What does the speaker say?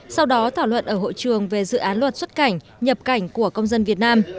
sau đó thảo luận ở hội trường về dự án luật xuất cảnh nhập cảnh của công dân việt nam